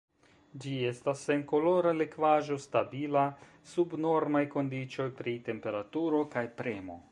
Ĝi estas senkolora likvaĵo, stabila sub normaj kondiĉoj pri temperaturo kaj premo.